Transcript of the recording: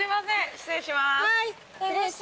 失礼します。